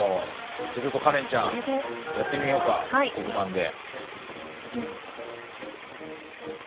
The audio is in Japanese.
じゃちょっとカレンちゃんやってみようか黒板で。